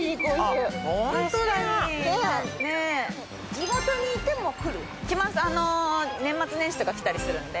地元にいても来る？来ます年末年始とか来たりするんで。